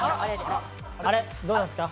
あれ、どうなんッスか？